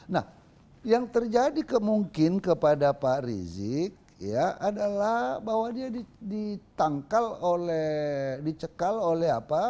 nah yang terjadi kemungkinan kepada pak rizik ya adalah bahwa dia ditangkal oleh dicekal oleh apa